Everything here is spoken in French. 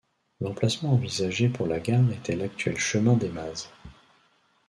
L'emplacement envisagé pour la gare était l'actuel chemin des Mazes.